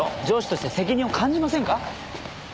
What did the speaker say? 上司として責任を感じませんか？